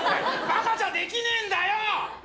バカじゃできねえんだよ！